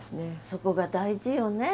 そこが大事よね